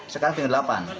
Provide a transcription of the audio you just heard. sekarang tinggal delapan